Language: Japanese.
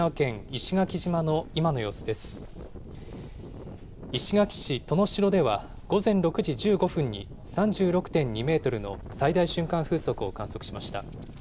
石垣市登野城では午前６時１５分に３６．２メートルの最大瞬間風速を観測しました。